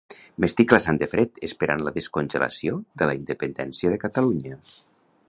M'estic glaçant de fred esperant la descongelació de la independència de Catalunya